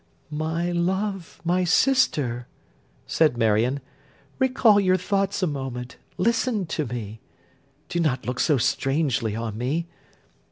'My love, my sister!' said Marion, 'recall your thoughts a moment; listen to me. Do not look so strangely on me.